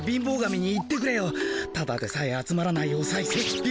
ただでさえ集まらないおさいせん。